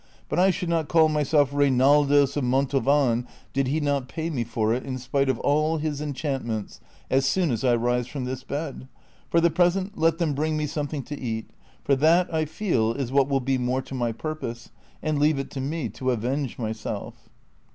But I should not call myself Reinaldos of Montalvan did he not pay me for it in spite of all his enchantments as soon as I rise from this bed. For the present let them bring me something to eat, for that, I feel, is what will be more to my purpose, and leave it to me to avenge myself."